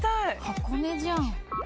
箱根じゃん。